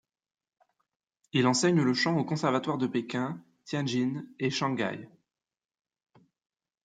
Il enseigne le chant au Conservatoire de Pékin, Tianjin et à Shanghai.